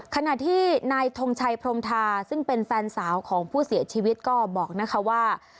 ขณะที่นายทงชัยพรมทาซึ่งเป็นแฟนสาวของผู้เสียชีวิตก็บอกนะคะว่า